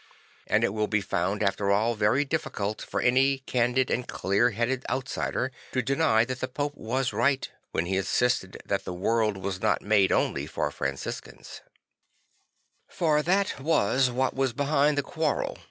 And it will be found, after all, very difficult for any candid and clear headed outsider to deny that the Pope was right, when he insisted that the world was not made only for Franciscans. :rhe :r stamtnt of St. Francis 175 For that was what was behind the quarrel.